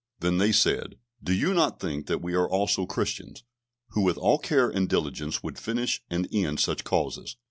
Then they said, "Do you not think that we are also Christians, who with all care and diligence would finish and end such causes?